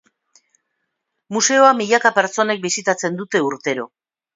Museoa milaka pertsonek bisitatzen dute urtero.